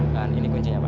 dan ini kuncinya pak